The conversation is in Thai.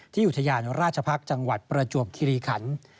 อุทยานราชภักษ์จังหวัดประจวบคิริขัน